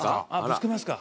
ぶつけますか。